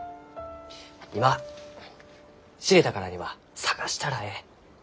今知れたからには探したらえい。